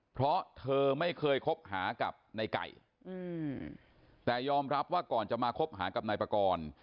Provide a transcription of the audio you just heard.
เพราะเธอไม่เคยคบหากับในไก่แต่ยอมรับว่าก่อนจะมาคบหากับนายปากร